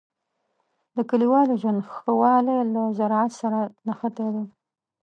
د کلیوالو ژوند ښه والی له زراعت سره نښتی دی.